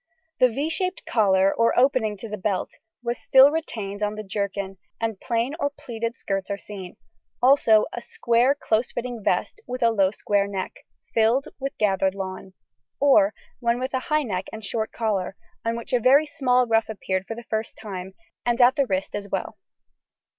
The =V= shaped collar, or opening to the belt, was still retained on the jerkin, and plain or pleated skirts are seen, also a square close fitting vest, with a low square neck, filled with gathered lawn, or one with a high neck and short collar, on which a very small ruff appeared for the first time, and at the wrist as well.